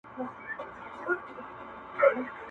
o هندو ژړل پياز ئې خوړل!